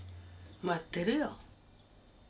待ってるよ。